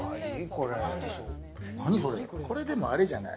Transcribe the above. これ、あれじゃない？